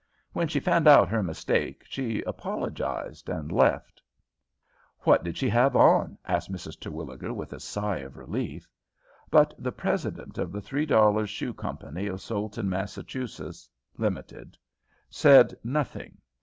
When she found out her mistake, she apologized, and left." "What did she have on?" asked Mrs. Terwilliger, with a sigh of relief. But the president of the Three dollar Shoe Company, of Soleton, Massachusetts (Limited), said nothing.